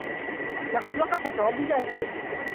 لقد وقف توم بجانبك.